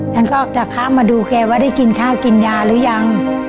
ฉันก็จะข้ามมาดูแกว่าได้กินข้าวกินยาหรือยัง